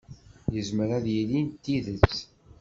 Yezmer ad yili d tidet.